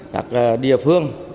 các địa phương